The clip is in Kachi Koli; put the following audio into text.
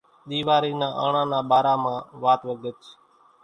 ۮيوارِي نا آنڻا نا ٻارا مان وات وڳچ